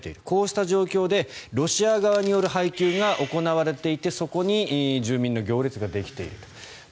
こうした状況で、ロシア側による配給が行われていてそこに住民の行列ができていると。